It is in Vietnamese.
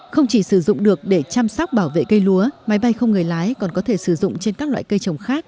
không chỉ sử dụng được để chăm sóc bảo vệ cây lúa máy bay không người lái còn có thể sử dụng trên các loại cây trồng khác